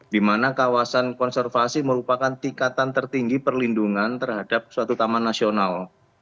di mana kawasan konservasi merupakan tingkatan tertinggi perlindungan terhadap suatu taman nasional